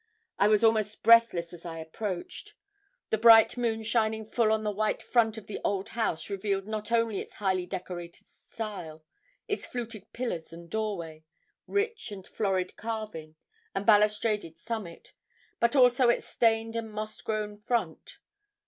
I was almost breathless as I approached. The bright moon shining full on the white front of the old house revealed not only its highly decorated style, its fluted pillars and doorway, rich and florid carving, and balustraded summit, but also its stained and moss grown front.